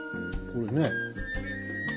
これね。